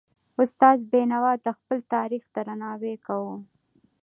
استاد بينوا د خپل تاریخ درناوی کاوه.